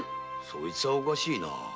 そいつはおかしいな。